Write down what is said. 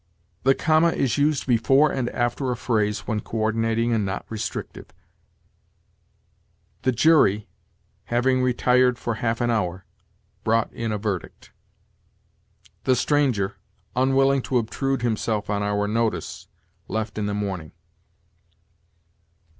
The comma is used before and after a phrase when coördinating and not restrictive. "The jury, having retired for half an hour, brought in a verdict." "The stranger, unwilling to obtrude himself on our notice, left in the morning."